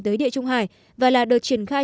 tới địa trung hải và là đợt triển khai